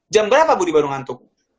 jam berapa budi baru ngantuk